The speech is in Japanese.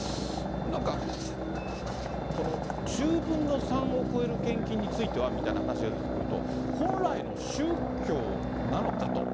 なんか、この１０分の３を超える献金については、みたいな話が出てくると、本来の宗教なのかと。